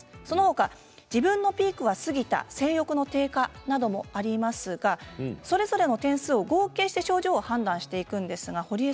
そのほか自分のピークは過ぎた性欲の低下などもありますがそれぞれの点数を合計して症状を判断していくんです。